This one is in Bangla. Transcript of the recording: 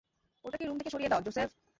ওটাকে রুম থেকে সরিয়ে দাও, জোসেফ।